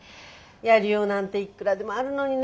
やりようなんていっくらでもあるのにね。